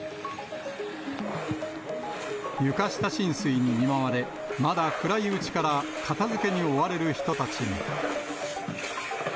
床下浸水に見舞われ、まだ暗いうちから片づけに追われる人たちも。